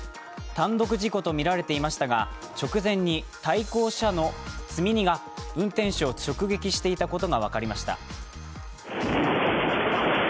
単独事故とみられていましたが、直前に対向車の積み荷が運転手を直撃していたことが分かりました。